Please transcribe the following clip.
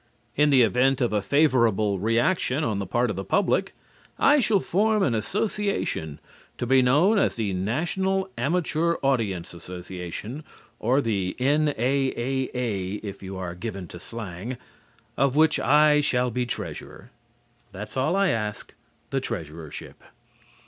In the event of a favorable reaction on the part of the public, I shall form an association, to be known as the National Amateur Audience Association (or the N.A.A.A., if you are given to slang) of which I shall be Treasurer. That's all I ask, the Treasurership.